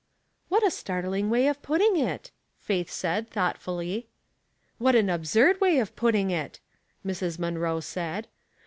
What a startling way of putting it !" Faith' said, thoughtfully. " What an absurd way of putting it I " Mrs. Munroe said.